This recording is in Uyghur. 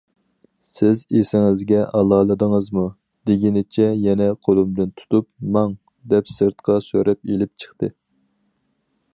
سىز ئېسىڭىزگە ئالالىدىڭىزمۇ؟- دېگىنىچە، يەنە قولۇمدىن تۇتۇپ« ماڭ!» دەپ سىرتقا سۆرەپ ئېلىپ چىقتى.